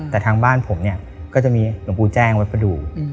แต่ทางบ้านผมเนี่ยก็จะมีหลวงปู่แจ้งวัดประดูก